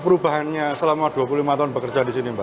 perubahannya selama dua puluh lima tahun bekerja di sini mbak